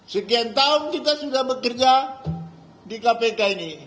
sekian tahun kita sudah bekerja di kpk ini